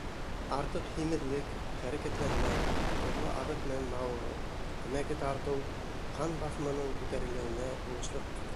Артыҡ һимеҙлек, хәрәкәтләнмәү, тоҙло аҙыҡ менән мауығыу, тәмәке тартыу ҡан баҫымының күтәрелеүенә булышлыҡ итә.